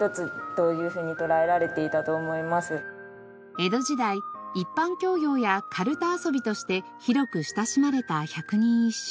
江戸時代一般教養やかるた遊びとして広く親しまれた百人一首。